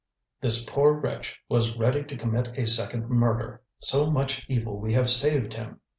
"This poor wretch was ready to commit a second murder. So much evil we have saved him.